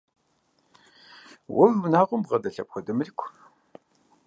Уэ уи унагъуэм бгъэдэлъ апхуэдэ мылъку?